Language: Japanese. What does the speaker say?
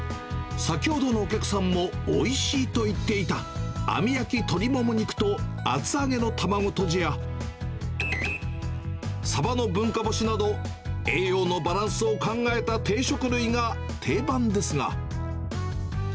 先ほどのお客さんもおいしいと言っていた、網焼き鶏もも肉と厚揚げの卵とじや、サバの文化干しなど栄養のバランスを考えた定食類が定番ですが。